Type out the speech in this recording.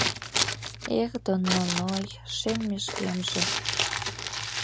Эх, донноной, шем межгемже